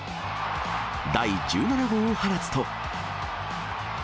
第１７号を放つと。